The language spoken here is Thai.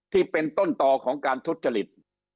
ที่เป็นต้นต่อของการทุจริต